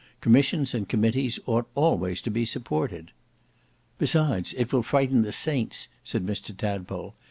"Commissions and committees ought always to be supported." "Besides it will frighten the saints," said Mr Tadpole.